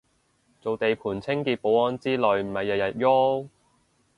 做地盤清潔保安之類咪日日郁